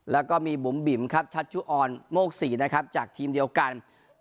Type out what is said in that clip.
แล้วก็มีบุ๋มบิ๋มครับชัชชุออนโมกศรีนะครับจากทีมเดียวกัน